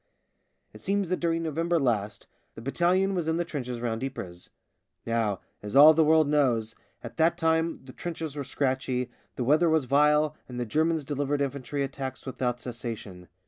It seems that during November last the battalion was in the trenches round Ypres. Now, as all the world knows, at that time the trenches were scratchy, the weather was vile, and the Germans delivered infantry attacks without cessation.